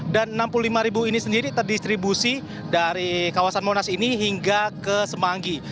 dan enam puluh lima ribu ini sendiri terdistribusi dari kawasan monas ini hingga ke semanggi